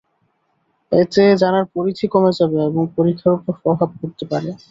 এতে জানার পরিধি কমে যাবে এবং পরীক্ষার ওপর প্রভাব পড়তে পারে।